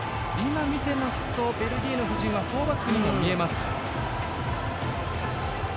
見ていますとベルギーの布陣はフォーバックにも見えます。